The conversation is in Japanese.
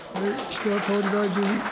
岸田総理大臣。